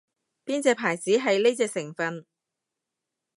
邊隻牌子係呢隻成份